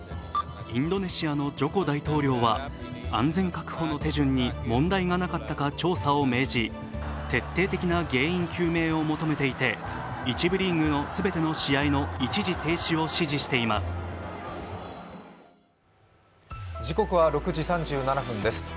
インドネシアのジョコ大統領は、安全確保の手順に問題がなかったか調査を命じ、徹底的な原因究明を求めていて１部リーグの全ての試合の一時停止を指示しています。